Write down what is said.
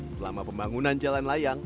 selama pembangunan jalan layang